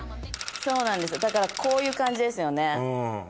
そうなんですだからこういう感じですよね。